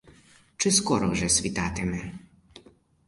Чи скоро ж світатиме?